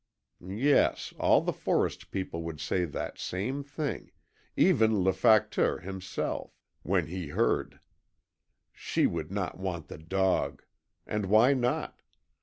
Yes, all the forest people would say that same thing even LE FACTEUR himself, when he heard. SHE WOULD NOT WANT THE DOG! And why not?